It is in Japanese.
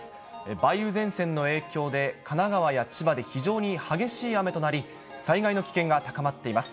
梅雨前線の影響で、神奈川や千葉で非常に激しい雨となり、災害の危険が高まっています。